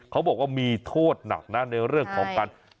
เขาบอกว่ามีโทษหนักนะในเรื่องของการ